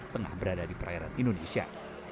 tengah berada di perairan indonesia